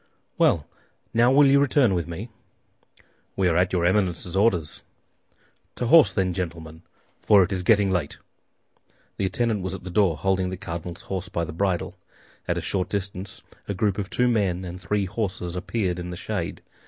"Well; now will you return with me?" "We are at your Eminence's orders." "To horse, then, gentlemen; for it is getting late." The attendant was at the door, holding the cardinal's horse by the bridle. At a short distance a group of two men and three horses appeared in the shade.